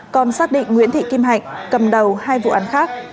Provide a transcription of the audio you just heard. còn xác định nguyễn thị kim hạnh cầm đầu hai vụ án khác